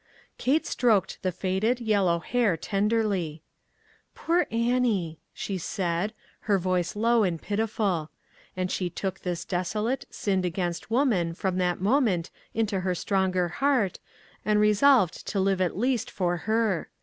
Kate stroked the faded, yellow hair ten derly. " Poor Annie," she said, her voice low and pitiful ; and she took this desolate, sinned against woman from that moment into her stronger heart, and resolved to live at least for her.